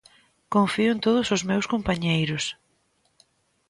Confío en todos os meus compañeiros.